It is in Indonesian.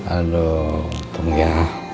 aduh tunggu ya